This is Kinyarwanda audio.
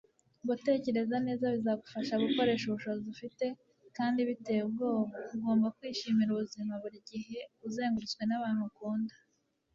gutekereza neza bizagufasha gukoresha ubushobozi ufite, kandi biteye ubwobaugomba kwishimira ubuzima. buri gihe uzengurutswe nabantu ukunda